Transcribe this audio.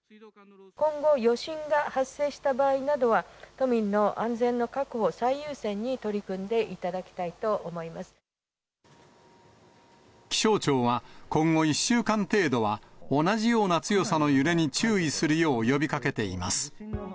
今後、余震が発生した場合などは、都民の安全の確保を最優先に取り組んでいただきたいと思い気象庁は、今後１週間程度は、同じような強さの揺れに注意するよう呼びかけています。